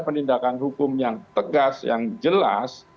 penindakan hukum yang tegas yang jelas